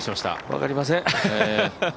分かりません！